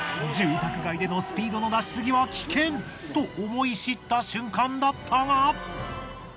住宅街でのスピードの出しすぎは危険！と思い知った瞬間だったが。